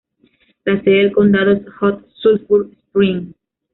La sede del condado es Hot Sulphur Springs.